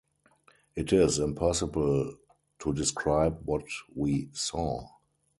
It is impossible to describe what we saw.